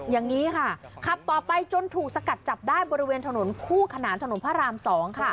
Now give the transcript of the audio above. อย่างนี้ค่ะขับต่อไปจนถูกสกัดจับได้บริเวณถนนคู่ขนานถนนพระราม๒ค่ะ